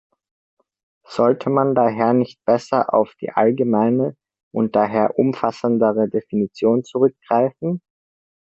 Sollte man daher nicht besser auf die allgemeine und daher umfassendere Definition zurückgreifen?